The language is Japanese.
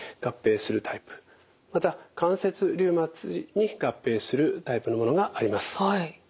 また関節リウマチに合併するタイプのものがあります。